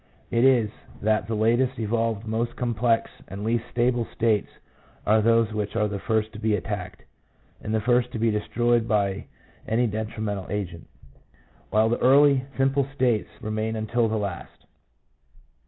It is, that the latest evolved, most complex, and least stable states are those which are the first to be attacked, and the first to be destroyed by any detrimental agent; while the early, simple states remain until the last.